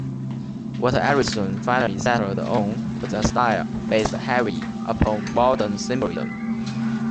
What Ellison finally settled on was a style based heavily upon modern symbolism.